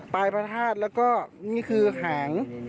ปลายพระธาตุและนี่คือหัง